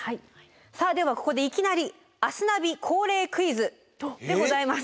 さあではここでいきなり「明日ナビ恒例クイズ」でございます。